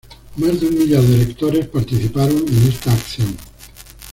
Más de un millar de lectores participaron en esta acción.